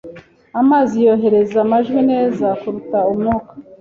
Amazi yohereza amajwi neza kuruta umwuka.